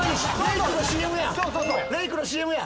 レイクのＣＭや。